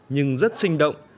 nhưng rất sinh động